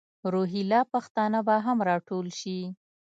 روهیله پښتانه به هم را ټول شي.